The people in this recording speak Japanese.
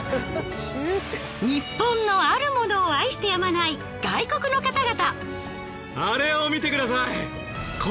ニッポンのあるものを愛してやまない外国の方々。